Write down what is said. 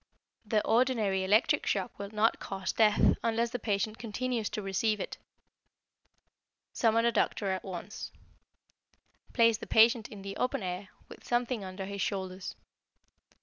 The ordinary electric shock will not cause death unless the patient continues to receive it. Summon a doctor at once. Place the patient in the open air, with something under his shoulders.